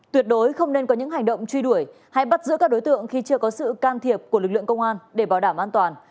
tuyệt đối không nên có những hành động truy đuổi hay bắt giữ các đối tượng khi chưa có sự can thiệp của lực lượng công an để bảo đảm an toàn